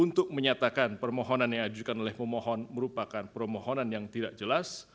untuk menyatakan permohonan yang diajukan oleh pemohon merupakan permohonan yang tidak jelas